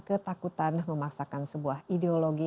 ketakutan memaksakan sebuah ideologi